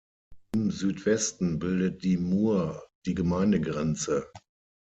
Im Südwesten bildet die Mur die Gemeindegrenze.